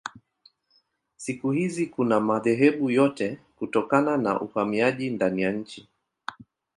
Siku hizi kuna madhehebu yote kutokana na uhamiaji ndani ya nchi.